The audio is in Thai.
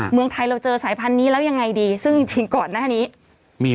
เมืองไทยเราเจอสายพันธุ์นี้แล้วยังไงดีซึ่งจริงก่อนหน้านี้มี